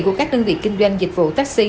của các đơn vị kinh doanh dịch vụ taxi